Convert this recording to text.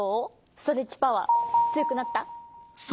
ストレッチパワーつよくなった？